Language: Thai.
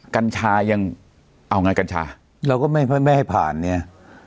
กัญชายังเอาไงกัญชาเราก็ไม่ไม่ให้ผ่านเนี่ย